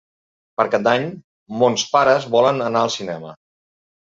Per Cap d'Any mons pares volen anar al cinema.